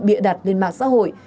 bịa đặt lên mạng xã hội